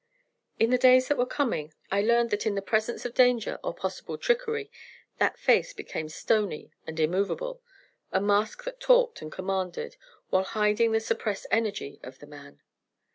In the days that were coming, I learned that in the presence of danger or possible trickery that face became stony and immovable, a mask that talked and commanded, while hiding the suppressed energy of the man.